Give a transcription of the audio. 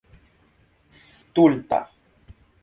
stulta